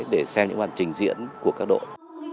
để xem những hoàn trình diễn của các đội